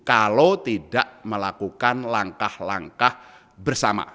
kalau tidak melakukan langkah langkah bersama